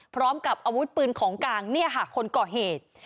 พร้อมกับอาวุธปืนของกลางคนเกาะเหตุ